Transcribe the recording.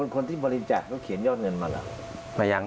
คนที่บริจาคก็เขียนยอดเงินมาล่ะ